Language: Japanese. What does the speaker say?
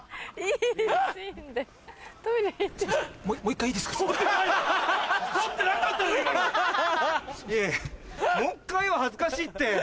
いやいやもう一回は恥ずかしいって。